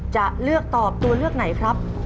จะเลือกตอบตัวเลือกไหนครับ